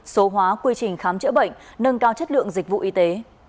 số hóa quy trình khám chữa bệnh nâng cao chất lượng dịch vụ y tế